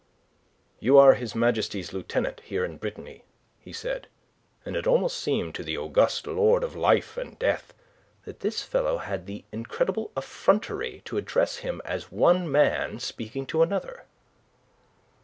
"You are His Majesty's Lieutenant here in Brittany," he said and it almost seemed to the august lord of life and death that this fellow had the incredible effrontery to address him as one man speaking to another.